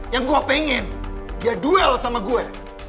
yang gue pengen dia duel sama gue